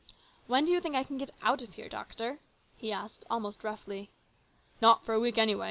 "When do you think I can get out of here, doctor ?" he asked almost roughly. " Not for a week, anyway.